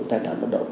tài tạo bất động